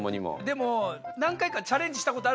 でも何回かチャレンジしたことあるんですよ。